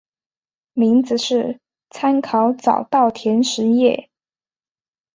名字是参考早稻田实业。